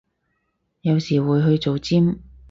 有時會去做尖